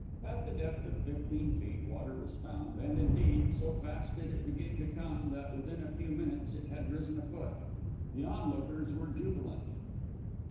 At the depth of fifteen feet, water was found, and, indeed, so fast did it begin to come in that within a few minutes it had risen a foot. The onlookers were jubilant.